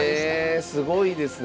えすごいですね。